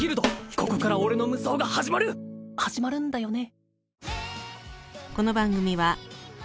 ここから俺の無双が始まる始まるんだよね？